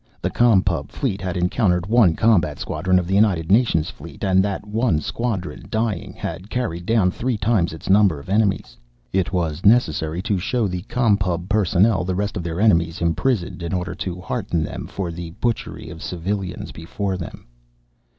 The Com Pub fleet had encountered one combat squadron of the United Nations fleet, and that one squadron, dying, had carried down three times its number of enemies. It was necessary to show the Com Pub personnel the rest of their enemies imprisoned, in order to hearten them for the butchery of civilians before them.